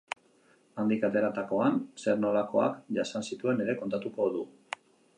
Handik ateratakoan zer nolakoak jasan zituen ere kontatuko du.